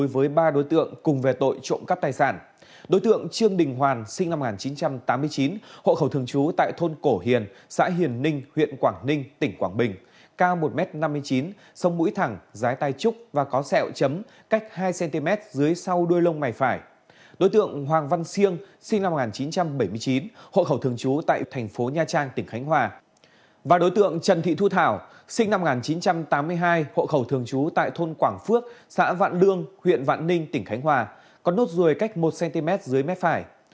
và đối tượng trần thị thu thảo sinh năm một nghìn chín trăm tám mươi hai hội khẩu thường chú tại thôn quảng phước xã vạn lương huyện vạn ninh tỉnh khánh hòa có nốt ruồi cách một cm dưới mép phải